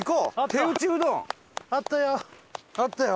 手打ちうどん！あったよ！